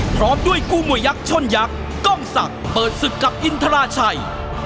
พร้อมด้วยคู่มวยยักษ์ชนยักษ์กล้องศักดิ์เปิดศึกกับอินทราชัย